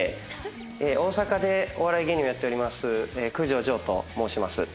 大阪でお笑い芸人をやっております九条ジョーと申します。